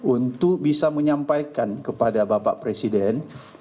untuk bisa menyampaikan kepada bapak presiden